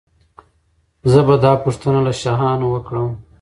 زه به دا پوښتنه له شاهانو وکړم.